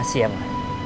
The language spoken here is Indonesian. kasih ya ma